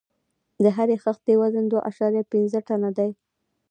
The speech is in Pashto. د هرې خښتې وزن دوه اعشاریه پنځه ټنه دی.